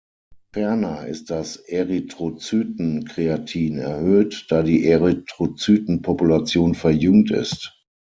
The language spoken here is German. Ferner ist das Erythrozyten-Kreatin erhöht, da die Erythrozyten-Population verjüngt ist.